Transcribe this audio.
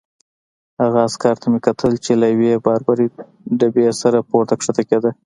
هغه عسکر ته مې کتل چې له یوې باربرې ډبې سره پورته کښته کېده.